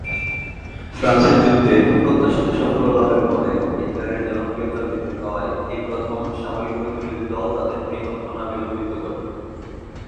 ফ্রান্সের যুদ্ধে অপ্রত্যাশিত সাফল্য লাভের ফলে হিটলারের জনপ্রিয়তা বৃদ্ধি পাওয়ায় এই প্রথম সামরিক প্রতিরোধী দল তাদের পরিকল্পনা বিলম্বিত করে।